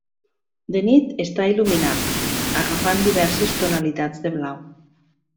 De nit, està il·luminat, agafant diverses tonalitats de blau.